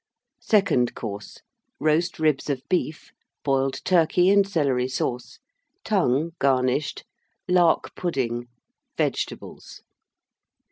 SECOND COURSE. Roast Ribs of Beef. Boiled Turkey and Celery Sauce. Tongue, garnished. Lark Pudding. Vegetables.